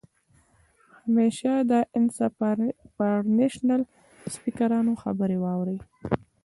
همېشه د انسپارېشنل سپيکرانو خبرې اورئ